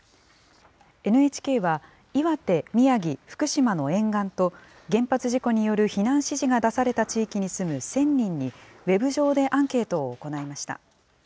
ＮＨＫは、岩手、宮城、福島の沿岸と原発事故による避難指示が出された地域に住む１０００人にウェブ上でアンケートを行いました。